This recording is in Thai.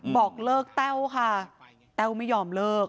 เต้าเรียกเลิกเต้าไม่ยอมเลิก